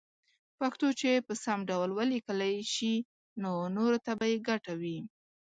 پښتو چې په سم ډول وليکلې شي نو نوره ته به يې ګټه وي